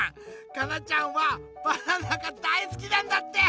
かなちゃんはバナナがだいすきなんだって！